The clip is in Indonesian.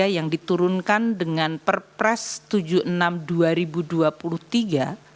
yang diturunkan dengan perpres tujuh puluh enam dua ribu dua puluh tiga